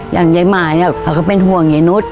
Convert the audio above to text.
อย่างไยหมายเขาก็เป็นห่วงไอ้นุษย์